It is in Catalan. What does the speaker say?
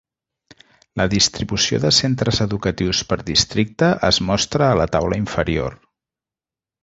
La distribució de centres educatius per districte es mostra a la taula inferior.